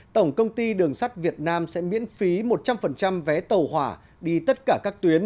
tổng công ty đường sắt việt nam sẽ miễn phí một trăm linh vé tàu hỏa đi tất cả các tuyến